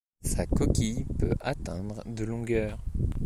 Sa coquille peut atteindre de longueur.